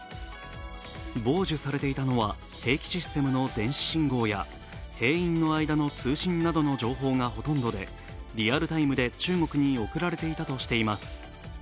傍受されていたのは、兵器システムの電子信号や兵員の間の通信などの情報がほとんどでリアルタイムで中国に送られていたとしています。